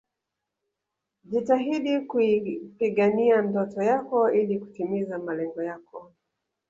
Jitahidi kuipigania ndoto yako ili kutimiza malengo yako